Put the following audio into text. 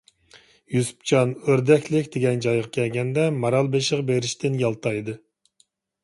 يۈسۈپجان ئۆردەكلىك دېگەن جايغا كەلگەندە، مارالبېشىغا بېرىشتىن يالتايدى.